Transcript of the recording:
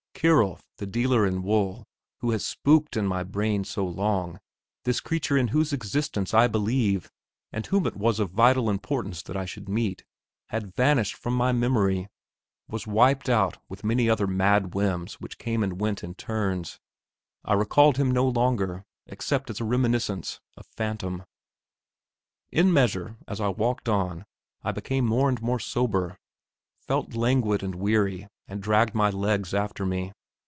Kierulf, this dealer in wool, who has spooked in my brain so long this creature in whose existence I believe, and whom it was of vital importance that I should meet had vanished from my memory; was wiped out with many other mad whims which came and went in turns. I recalled him no longer, except as a reminiscence a phantom. In measure, as I walked on, I become more and more sober; felt languid and weary, and dragged my legs after me.